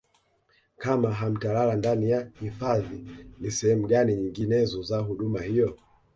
kama hamtalala ndani ya hifadhi ni sehemu gani nyinginezo za huduma hiyo